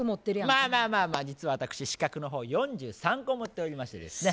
まあまあまあまあ実は私資格の方４３個持っておりましてですね